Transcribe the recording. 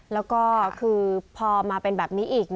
แล้วก็คือพอมาเป็นแบบนี้อีก